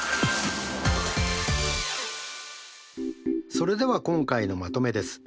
それでは今回のまとめです。